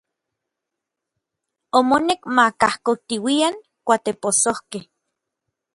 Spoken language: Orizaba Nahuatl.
Omonek ma kajkoktiuian kuatepossojkej.